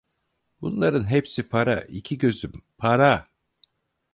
Bunların hepsi para, iki gözüm, para!